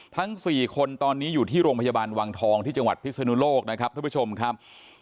ทั้ง๔คนตอนนี้อยู่ที่โรงพยาบาลวังทองที่จังหวัดพิศนุโลกนะครับท่านผู้ชมครับ